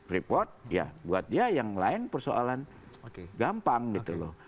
report ya buat dia yang lain persoalan gampang gitu loh